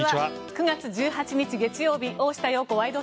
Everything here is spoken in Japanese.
９月１８日、月曜日「大下容子ワイド！